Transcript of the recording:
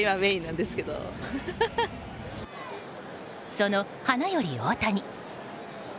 その、花より大谷。